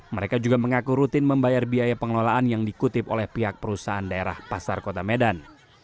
mereka juga mengaku rutin membayar biaya pengelolaan yang dikutip oleh pihak perusahaan daerah pasar kota medan